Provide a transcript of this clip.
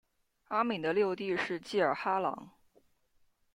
阿敏的六弟是济尔哈朗。